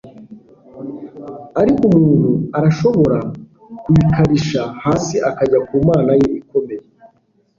Ariko umuntu arashobora kuyikarisha hasi akajya ku Mana ye ikomeye